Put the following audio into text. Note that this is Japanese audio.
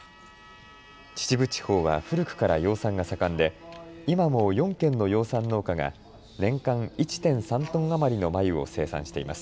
秩父地方は古くから養蚕が盛んで今も４軒の養蚕農家が年間１．３トン余りの繭を生産しています。